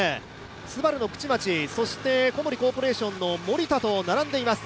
ＳＵＢＡＲＵの口町、そして小森コーポレーションの森田と並んでいます。